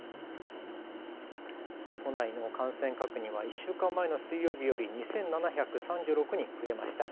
都内の感染確認は１週間前の水曜日より２７３６人増えました。